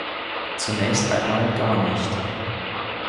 Zunächst einmal gar nicht.